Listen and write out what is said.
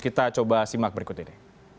kita coba simak berikut ini